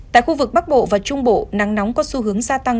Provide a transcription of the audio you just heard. tại khu vực bắc bộ và trung bộ nắng nóng có xu hướng gia tăng